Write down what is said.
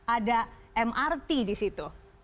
ada mrt di situ